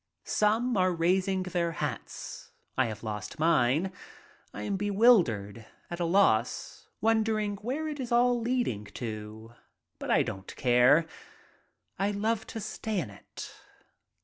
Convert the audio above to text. Some are raising their hats. I have lost mine. I am bewildered, at a loss, wondering where it is all leading to, but I don't care. I love to stay in it.